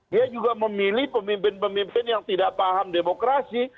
dia juga memilih pemimpin pemimpin yang tidak paham demokrasi